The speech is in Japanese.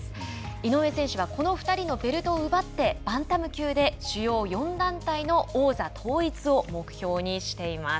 井上選手はこの２人のベルトを奪ってバンタム級で主要４団体の王座統一を目標にしています。